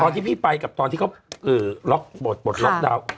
ตอนที่พี่ไปกับตอนที่เขาปลดล็อคดาวน์